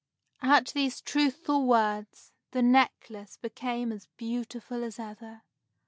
At these truthful words, the necklace became as beautiful as ever.